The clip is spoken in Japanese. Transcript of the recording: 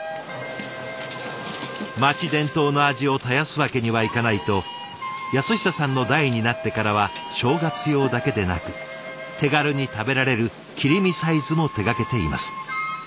町伝統の味を絶やすわけにはいかないと安久さんの代になってからは正月用だけでなく手軽に食べられる切り身サイズも手がけています。